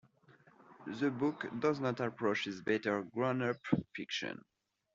The book does not approach his better grownup fiction.